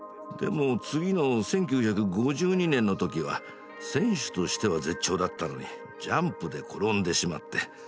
でも次の１９５２年の時は選手としては絶頂だったのにジャンプで転んでしまって。